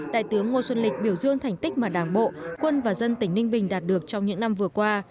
đại tướng ngô xuân lịch biểu dương thành tích mà đảng bộ quân và dân tỉnh ninh bình đạt được trong những năm vừa qua